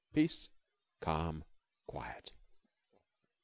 ] Peace ... calm ... quiet.